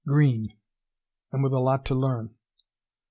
Green! And with a lot to learn.